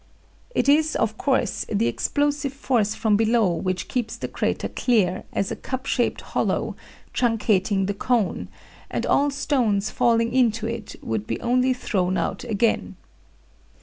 It is, of course, the explosive force from below which keeps the crater clear, as a cup shaped hollow, truncating the cone; and all stones falling into it would be only thrown out again.